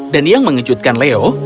dan yang mengejutkan leo